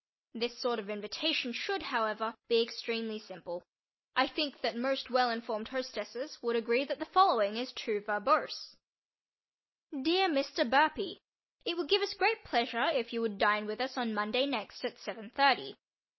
This sort of invitation should, however, be extremely simple. I think that most well informed hostesses would agree that the following is too verbose: DEAR MR. BURPEE. It would give us great pleasure if you would dine with us on Monday next at seven thirty.